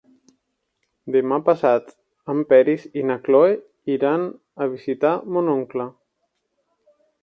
Demà passat en Peris i na Cloè iran a visitar mon oncle.